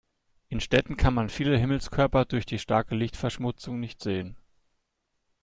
In Städten kann man viele Himmelskörper durch die starke Lichtverschmutzung nicht sehen.